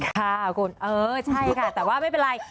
ค่ะคุณเออใช่ค่ะแต่ว่าไม่เป็นไร